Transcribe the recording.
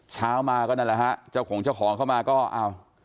เช้ามาก็นั่นแหละฮะเจ้าของเจ้าของเข้ามาก็อ้าว